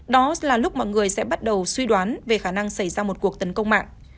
đó là lúc mọi người sẽ bắt đầu suy đoán về khả năng xảy ra một cuộc tấn công mạng